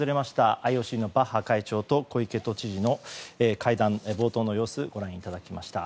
ＩＯＣのバッハ会長と小池都知事の会談、冒頭の様子ご覧いただきました。